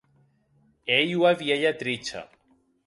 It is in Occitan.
Ei ua vielha tricha.